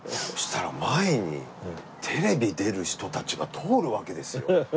そしたら前にテレビ出る人たちが通るわけですよ。